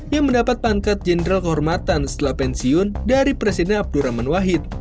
yang mendapat pangkat jenderal kehormatan setelah pensiun dari presiden abdurrahman wahid